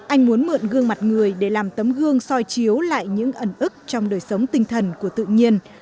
anh muốn mượn gương mặt người để làm tấm gương soi chiếu lại những ẩn ức trong đời sống tinh thần của tự nhiên